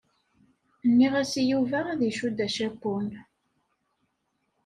Nniɣ-as i Yuba ad icudd acapun.